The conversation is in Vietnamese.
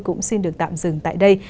cũng xin được tạm dừng tại đây